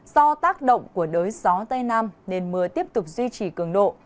do tác động của đới gió tây nam nên mưa tiếp tục duy trì cường độ